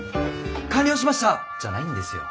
「完了しました！」じゃないんですよ。